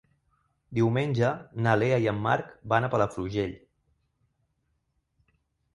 Diumenge na Lea i en Marc van a Palafrugell.